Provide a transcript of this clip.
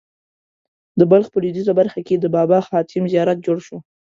د بلخ په لوېدیځه برخه کې د بابا حاتم زیارت جوړ شو.